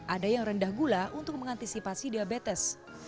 ada yang rendah gula untuk mengantisipasi diabetes